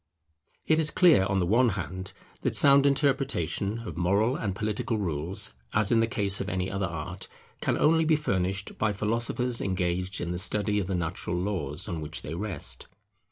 It is clear, on the one hand, that sound interpretation of moral and political rules, as in the case of any other art, can only be furnished by philosophers engaged in the study of the natural laws on which they rest.